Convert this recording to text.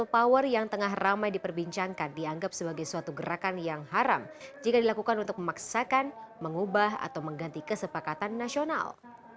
dan people power yang tengah ramai diperbincangkan dianggap sebagai suatu gerakan yang haram jika dilakukan untuk memaksakan mengubah atau mengganti kesepakatan nasional